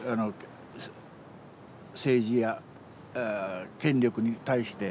政治や権力に対して。